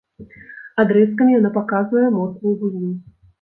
Адрэзкамі яна паказвае моцную гульню.